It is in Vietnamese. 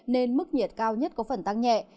nên mức nhiệt cao nhất có phần tăng nhẹ